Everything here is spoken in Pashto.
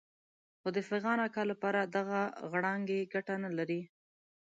خو د فخان اکا لپاره دغه غړانګې ګټه نه لري.